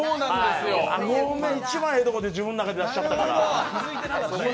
ごめん、一番いいところ思って自分の中で出しちゃったから。